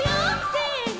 せの！